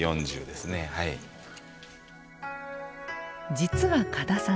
実は嘉田さん